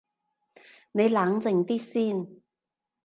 你冷靜啲先